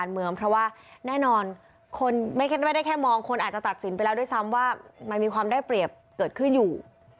เมื่อได้เปรียบเกิดขึ้นอยู่